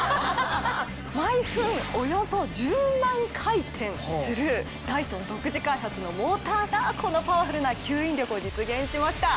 毎分およそ１０万回転するダイソン独自開発のモーターがこのパワフルな吸引力を実現しました。